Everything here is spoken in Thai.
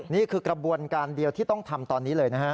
นี่คือกระบวนการเดียวที่ต้องทำตอนนี้เลยนะฮะ